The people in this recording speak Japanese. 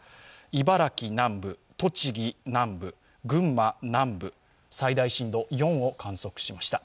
茨城南部、栃木南部、群馬南部最大震度４を観測しました。